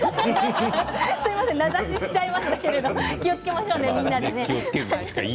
すみません名指ししちゃいましたけどみんなで気をつけましょうね。